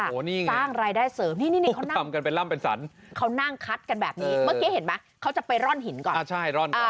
สร้างรายได้เสริมนี่เขานั่งคัดกันแบบนี้เมื่อกี้เห็นไหมเขาจะไปร่อนหินก่อน